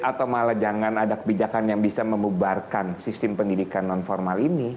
atau malah jangan ada kebijakan yang bisa memubarkan sistem pendidikan non formal ini